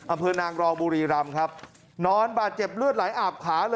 อำเภอนางรองบุรีรำครับนอนบาดเจ็บเลือดไหลอาบขาเลย